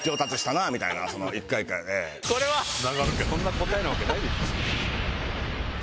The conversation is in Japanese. そんな答えなわけない。